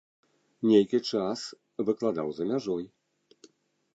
Нейкі час выкладаў за мяжой.